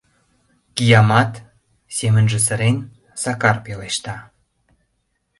— Киямат! — семынже сырен, Сакар пелешта.